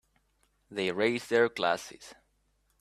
They raise their glasses.